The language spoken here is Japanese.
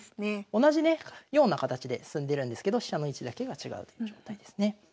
同じねような形で進んでるんですけど飛車の位置だけが違うという状態ですね。